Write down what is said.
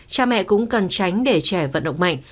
cha mẹ cũng cần tránh để trẻ vận động mạnh